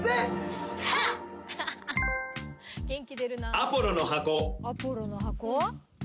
アポロの箱？